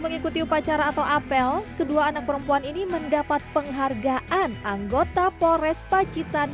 mengikuti upacara atau apel kedua anak perempuan ini mendapat penghargaan anggota polres pacitan